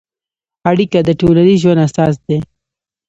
اړیکه د ټولنیز ژوند اساس دی.